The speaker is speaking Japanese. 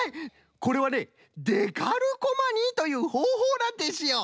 これはねデカルコマニーというほうほうなんですよ。